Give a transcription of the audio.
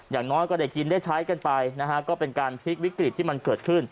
อย่างน้อยก็ได้กินได้ใช้กันไปนะฮะก็เป็นการพลิกวิกฤตที่มันเกิดขึ้น